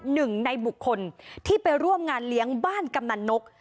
หนึ่งในบุคคลที่ไปร่วมงานเลี้ยงบ้านกำนันนก